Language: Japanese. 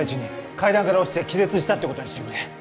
階段から落ちて気絶したってことにしてくれ